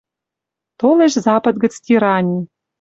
«Толеш запад гӹц тирани